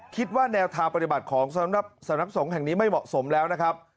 คิดว่าแนวทางปฏิบัติของสำนักสงฆ์แห่งนี้ไม่เหมาะสมแล้วนะครับ